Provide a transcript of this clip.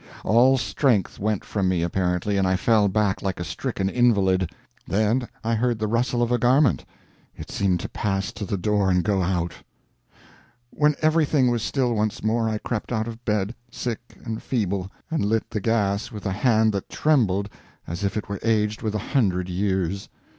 All strength went from me apparently, and I fell back like a stricken invalid. Then I heard the rustle of a garment it seemed to pass to the door and go out. When everything was still once more, I crept out of bed, sick and feeble, and lit the gas with a hand that trembled as if it were aged with a hundred years.